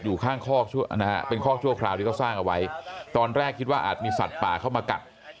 อยู่ข้างคอกชั่วคราวที่เขาสร้างเอาไว้ตอนแรกคิดว่าอาจมีสัตว์ป่าเข้ามากับ